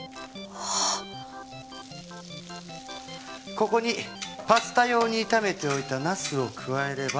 ここにパスタ用に炒めておいたナスを加えれば。